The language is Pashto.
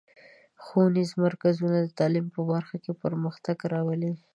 ښوونیز مرکزونه د تعلیم په برخه کې پرمختګ راولي.